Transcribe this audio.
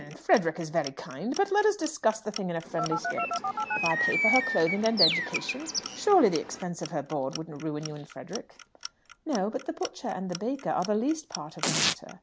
"H'm! Frederick is very kind. But let us discuss the thing in a friendly spirit. If I pay for her clothing and education, surely the expense of her board wouldn't ruin you and Frederick!" "No; but the butcher and the baker are the least part of the matter.